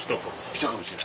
来たかもしれない。